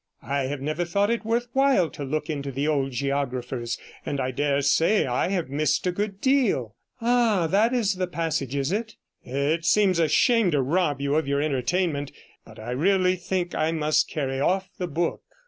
'I have never thought it worth while to look into the old geographers, and I dare say I have missed a good deal. Ah, 56 that is the passage, is it? It seems a shame to rob you of your entertainment, but I really think I must carry off the book.'